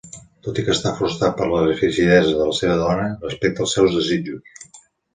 Tot i que està frustrat per la frigidesa de la seva dona, respecta els seus desitjos.